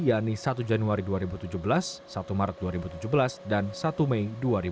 yakni satu januari dua ribu tujuh belas satu maret dua ribu tujuh belas dan satu mei dua ribu delapan belas